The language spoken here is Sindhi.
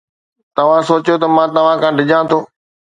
توهان سوچيو ته مان توهان کان ڊڄان ٿو؟